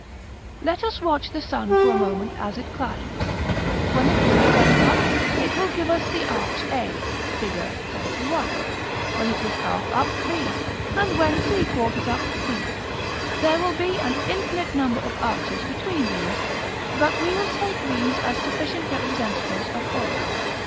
Let us watch the sun for a moment as it climbs: when it is a quarter up, it will give us the arch a, Fig. XXXI.; when it is half up, b, and when three quarters up, c. There will be an infinite number of arches between these, but we will take these as sufficient representatives of all.